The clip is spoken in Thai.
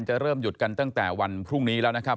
จะเริ่มหยุดกันตั้งแต่วันพรุ่งนี้แล้วนะครับ